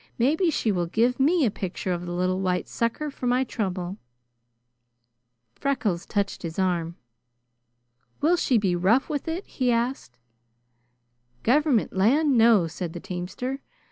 maybe she will give me a picture of the little white sucker for my trouble." Freckles touched his arm. "Will she be rough with it?" he asked. "Government land! No!" said the teamster.